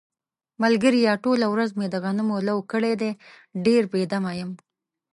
ملگریه ټوله ورځ مې د غنمو لو کړی دی، ډېر بې دمه یم.